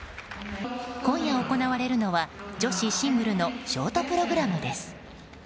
今夜行われるのは女子シングルのショートプログラムです。